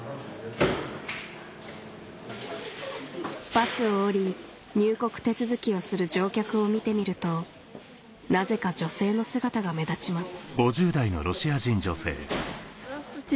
バスを降り入国手続きをする乗客を見てみるとなぜか女性の姿が目立ちます